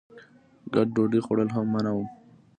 ګډ ډوډۍ خوړل هم منع وو.